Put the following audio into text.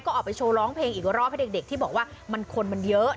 ก็ออกไปโชว์ร้องเพลงอีกรอบให้เด็กที่บอกว่ามันคนมันเยอะ